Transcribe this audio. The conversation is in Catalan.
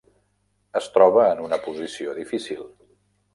Es troba en una posició difícil.